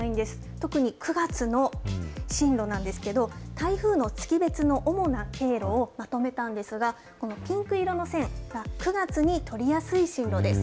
特に９月の進路なんですけど、台風の月別の主な経路をまとめたんですが、このピンク色の線が、９月に取りやすい進路です。